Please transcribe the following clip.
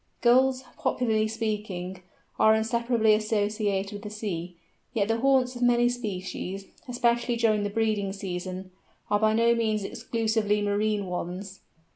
Gulls, popularly speaking, are inseparably associated with the sea, yet the haunts of many species, especially during the breeding season, are by no means exclusively marine ones.